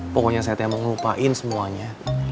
pokoknya saya mau ngelupain semuanya